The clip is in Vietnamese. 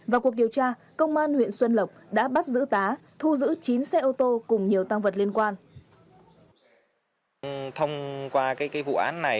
vào cuộc điều tra công an huyện xuân lộc đã bắt giữ tá thu giữ chín xe ô tô cùng nhiều tăng vật liên quan